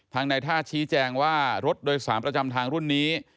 ทางในท่าชี้แจงว่ารถโดยสารประจำทางรุ่นนี้